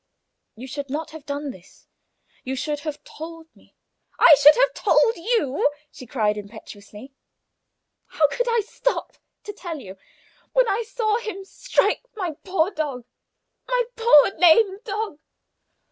You should not have done this; you should have told me." "I should have told you!" she cried, impatiently. "How could I stop to tell you when I saw him strike my dog my poor, lame dog?"